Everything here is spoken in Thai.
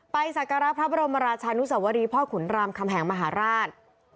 ศักระพระบรมราชานุสวรีพ่อขุนรามคำแหงมหาราช